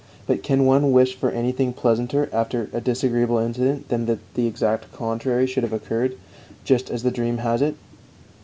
But can one wish for anything pleasanter after a disagreeable incident than that the exact contrary should have occurred, just as the dream has it?